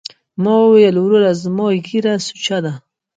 ما وويل وروره زما ږيره سوچه ده.